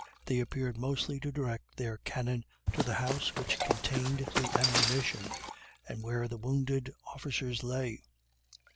They appeared mostly to direct their cannon to the house which contained the ammunition, and where the wounded officers lay.